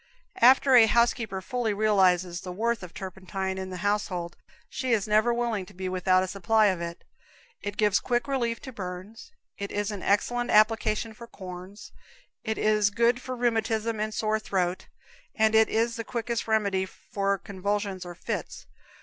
After a housekeeper fully realizes the worth of turpentine in the household, she is never willing to be without a supply of it. It gives quick relief to burns, it is an excellent application for corns, it is good for rheumatism and sore throat, and it is the quickest remedy for convulsions or fits.